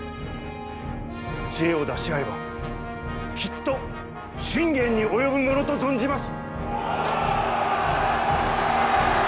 知恵を出し合えばきっと信玄に及ぶものと存じます！